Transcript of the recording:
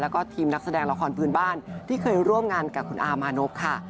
แล้วก็ทีมนักแสดงละครพื้นบ้านที่เคยร่วมงานกับคุณอามานพค่ะ